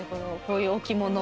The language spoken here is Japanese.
こういう置物。